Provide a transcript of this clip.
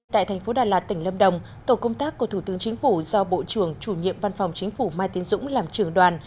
tại thành phố đà lạt tỉnh lâm đồng tổ công tác của thủ tướng chính phủ do bộ trưởng chủ nhiệm văn phòng chính phủ mai tiến dũng làm trưởng đoàn